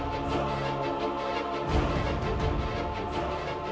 kita harus selamatin ibu kak